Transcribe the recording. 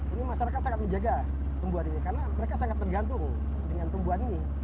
ini masyarakat sangat menjaga tumbuhan ini karena mereka sangat tergantung dengan tumbuhan ini